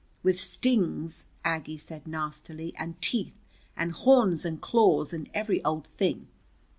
"With stings," Aggie said nastily, "and teeth, and horns, and claws, and every old thing!